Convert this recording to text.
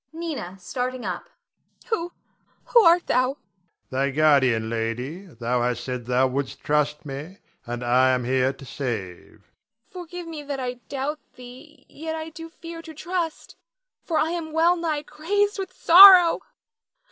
Nina [starting up]. Who who art thou? Adrian. Thy guardian. Lady, thou hast said thou wouldst trust me, and I am here to save. Nina. Forgive me that I doubt thee; yet I do fear to trust, for I am well nigh crazed with sorrow.